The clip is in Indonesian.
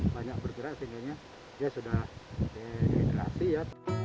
banyak bergerak sehingganya dia sudah dihidrasi ya